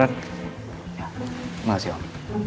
terima kasih om